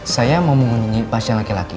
saya mau mengunjungi pasien laki laki